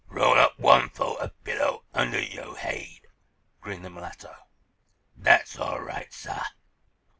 "Roll up one fo' a pillow, under yo' haid," grinned the mulatto. "Dat's all right, sah.